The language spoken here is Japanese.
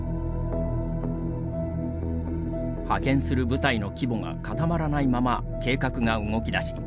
派遣する部隊の規模が固まらないまま計画が動きだし